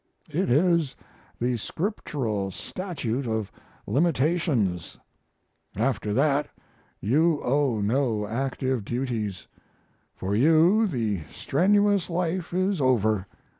It is the scriptural statute of limitations. After that you owe no active duties; for you the strenuous life is over.